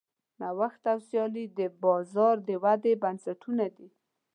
نوښت او سیالي د بازار د ودې بنسټونه دي.